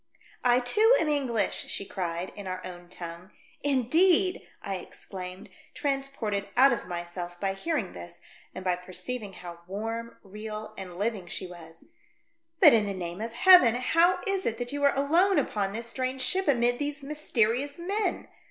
*' I, too, am English !" she cried. In our own tongue. "Indeed!" I exclaimed, transported out of myself by hearing this, and by perceiving how warm, real and living she was. '•' But, in the name of Heaven ! how Is it that you are alone upon this strange ship, amid these mysterious men